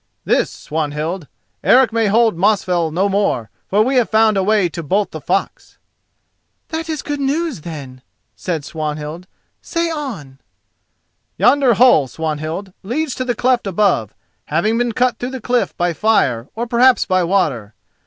"This, Swanhild: Eric may hold Mosfell no more, for we have found a way to bolt the fox." "That is good news, then," said Swanhild. "Say on." "Yonder hole, Swanhild, leads to the cleft above, having been cut through the cliff by fire, or perhaps by water.